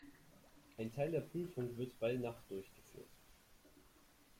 Ein Teil der Prüfung wird bei Nacht durchgeführt.